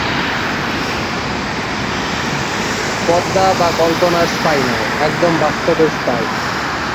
তিনি সমকালীন বাংলা সাহিত্যের একটি পরিচিত নাম।